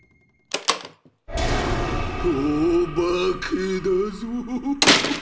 「お化けだぞ！」。